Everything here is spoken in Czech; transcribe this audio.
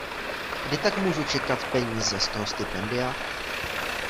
Kdy tak můžu čekat peníze z toho stipendia?